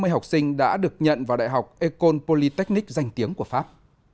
một trăm năm mươi học sinh đã được nhận vào đại học ecole polytechnique danh tiếng của pháp